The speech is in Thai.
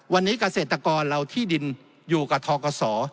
วันนี้เกษตรกรเราที่ดินอยู่กับทกศ